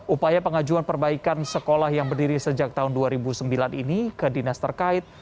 upaya pengajuan perbaikan sekolah yang berdiri sejak tahun dua ribu sembilan ini ke dinas terkait